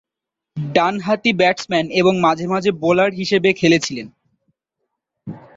ডানহাতি ব্যাটসম্যান এবং মাঝে মাঝে বোলার হিসাবে খেলেছিলেন।